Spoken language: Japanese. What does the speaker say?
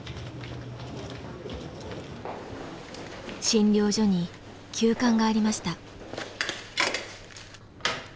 診療所に急患がありました。